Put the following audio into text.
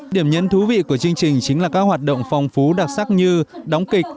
điểm nhấn thú vị của chương trình chính là các hoạt động phong phú đặc sắc như đóng kịch